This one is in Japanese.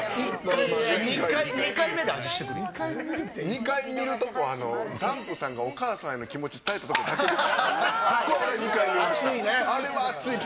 ２回見るとこ、ダンプさんがお母さんへの気持ちを伝えたとこだけです。